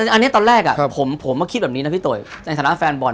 อันนี้ตอนแรกผมมาคิดแบบนี้นะพี่โตยในฐานะแฟนบอล